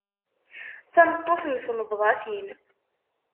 Tameṭṭut mm tnebḍatin.